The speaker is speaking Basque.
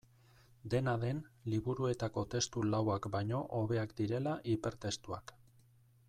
Dena den, liburuetako testu lauak baino hobeak direla hipertestuak.